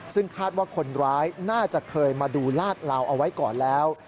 ซึ่งคาดว่าคนร้ายน่าจะเคยมาดูลาดเหลาเอาไว้ก่อนแล้ว